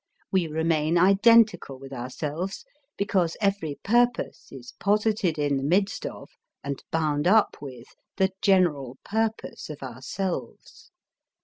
We remain identical with ourselves because every purpose is posited in the midst of, and bound up with, the general purpose of ourselves.